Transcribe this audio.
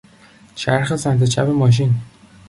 چرخ سمت چپ ماشین